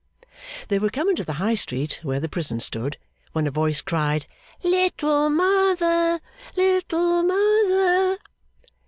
They were come into the High Street, where the prison stood, when a voice cried, 'Little mother, little mother!